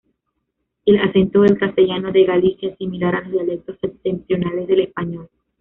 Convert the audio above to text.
El acento del castellano de Galicia es similar a los dialectos septentrionales del español.